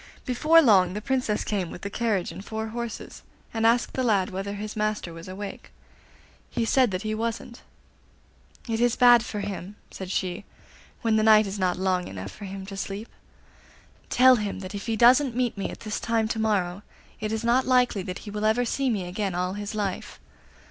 Before long the Princess came with the carriage and four horses, and asked the lad whether his master was awake. He said that he wasn't. 'It is bad for him,' said she, 'when the night is not long enough for him to sleep. Tell him that if he doesn't meet me at this time to morrow it is not likely that he will ever see me again all his life.